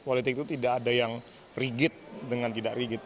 politik itu tidak ada yang rigid dengan tidak rigid